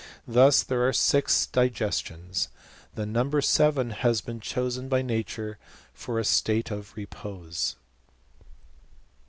Thus, ere are six digestions: the number seven has been osen by nature for a state of repose.